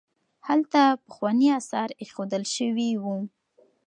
هلته پخواني اثار ایښودل شوي وو.